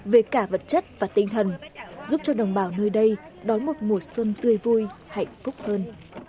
về cả vật chất và tinh thần giúp cho đồng bào nơi đây đón một mùa xuân tươi vui hạnh phúc hơn